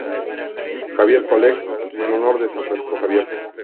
Xavier College", en honor de San Francisco Javier.